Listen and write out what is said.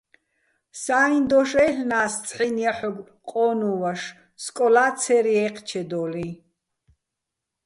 სა́იჼ დოშ აჲლ'ნა́ს ცჰ̦აჲნ ჲაჰ̦ოგო̆ ყო́ნუჼ ვაშ, სკოლა́ ცე́რ ჲე́ჴჩედო́ლიჼ.